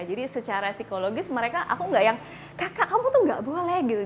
jadi secara psikologis mereka aku nggak yang kakak kamu tuh nggak boleh gitu